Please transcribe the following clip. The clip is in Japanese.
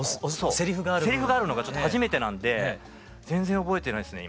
セリフがあるのが初めてなんで全然覚えてないですね